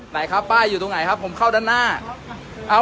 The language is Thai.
ไหนครับป้ายอยู่ตรงไหนครับผมเข้าด้านหน้า